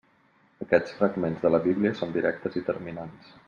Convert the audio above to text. Aquests fragments de la Bíblia són directes i terminants.